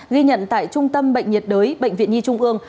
ghi nhận tại trung tâm bệnh nhiệt đới bệnh viện nhi trung ương